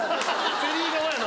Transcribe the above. フェリー側やな。